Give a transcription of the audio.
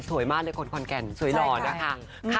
สวยมากเลยคนขอนแก่นสวยหล่อนะคะ